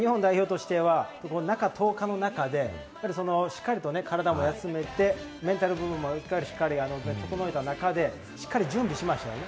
日本代表としては中１０日の中でしっかりと体も休めて、メンタル部分ももう１回、しっかり整えた中でしっかり準備しましたね。